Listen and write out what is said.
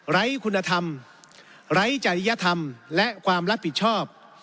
ไร้คุณธรรมไร้จริยธรรมและความรับผิดชอบ